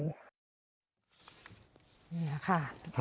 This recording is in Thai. นี่แหละค่ะ